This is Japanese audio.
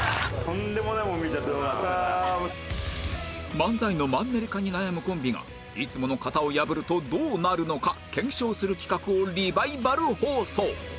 漫才のマンネリ化に悩むコンビがいつもの型を破るとどうなるのか検証する企画をリバイバル放送